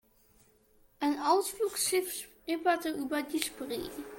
Ein Ausflugsschiff schipperte über die Spree.